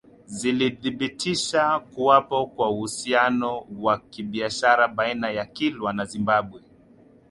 Zilithibitisha kuwapo kwa uhusiano wa kibiashara baina ya Kilwa na Zimbabwe